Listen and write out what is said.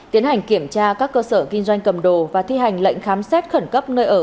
tiến hành kiểm tra các cơ sở kinh doanh cầm đồ và thi hành lệnh khám xét khẩn cấp nơi ở